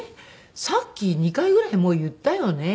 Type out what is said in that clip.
さっき２回ぐらい言ったよね。